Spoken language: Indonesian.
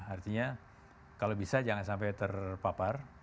artinya kalau bisa jangan sampai terpapar